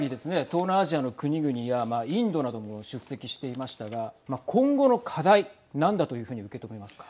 東南アジアの国々やインドなども出席していましたが、今後の課題何だというふうに受け止めますか。